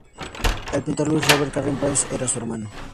El pintor Louis-Robert Carrier-Belleuse era su hermano.